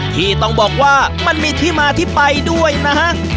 ที่ต้องบอกว่ามันมีที่มาที่ไปด้วยนะฮะ